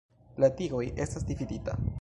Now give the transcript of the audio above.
La tigoj estas dividita.